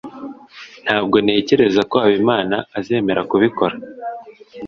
Ntabwo ntekereza ko Habimana azemera kubikora.